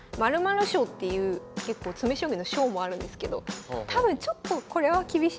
○○賞っていう結構詰将棋の賞もあるんですけど多分ちょっとこれは厳しいかなと。